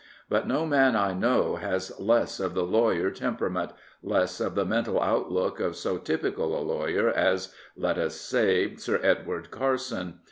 But no man I know has less of the lawyer temperament — less of the mental outlook of so typical a lawyer as, let us say. Sir Edward Carson.